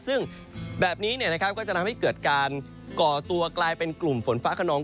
ซึ่งแบบนี้ก็จะทำให้เกิดการก่อตัวกลายเป็นกลุ่มฝนฟ้าขนอง